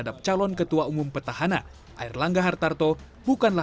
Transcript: dengan mendukung pak erlangga kartapel